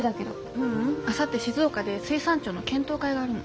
ううんあさって静岡で水産庁の検討会があるの。